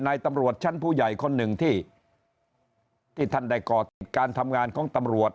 ตำรวจชั้นผู้ใหญ่คนหนึ่งที่ท่านได้ก่อติดการทำงานของตำรวจ